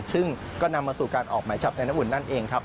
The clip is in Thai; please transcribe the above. ซึ่งก็นำมาสู่การออกหมายจับในน้ำอุ่นนั่นเองครับ